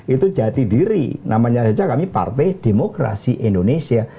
itu jati diri namanya saja kami partai demokrasi indonesia